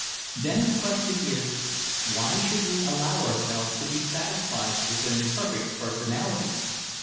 Then the question is, why should we allow ourselves to be satisfied with an imperfect personality?